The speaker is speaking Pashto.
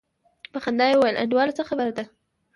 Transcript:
په خندا يې وويل انډيواله څه خبره ده.